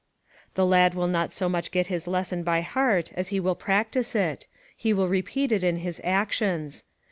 The lad will not so much get his lesson by heart as he will practise it: he will repeat it in his actions.